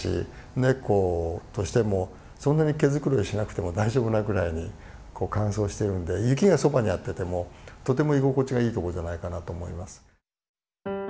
ネコとしてもそんなに毛繕いしなくても大丈夫なぐらいに乾燥してるんで雪がそばにあっててもとても居心地がいいとこじゃないかなと思います。